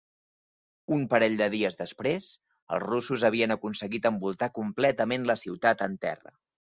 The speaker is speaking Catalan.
Un parell de dies després, els russos havien aconseguit envoltar completament la ciutat en terra.